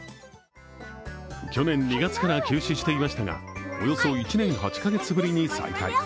去年２月から休止していましたがおよそ１年８カ月ぶりに再開。